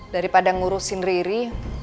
daripada ngurusin riri